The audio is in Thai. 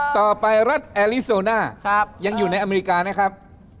ต่อไปรัฐแอลิโซน่ายังอยู่ในอเมริกานะครับ